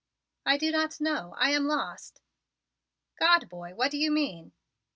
"I do not know. I am lost." "God, boy, what do you mean?"